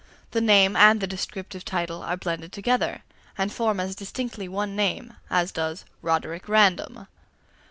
The name and the descriptive title are blended together, and form as distinctly one name as does "Roderick Random."